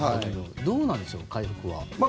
どうなんでしょう、回復は。